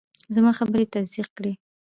زما خبرې یې تصدیق کړې.